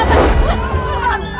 aduh aduh aduh aduh